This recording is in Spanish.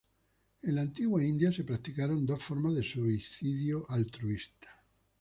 En la antigua India, se practicaron dos formas de suicidio altruista.